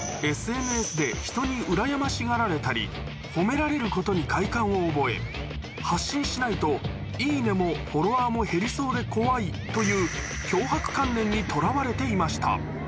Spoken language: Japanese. ＳＮＳでひとにうらやましがられたり褒められることに快感を覚え発信しないと「いいね！」もフォロワーも減りそうで怖いというにとらわれていました